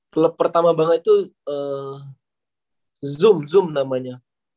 klub pertama banget itu zoom zoom namanya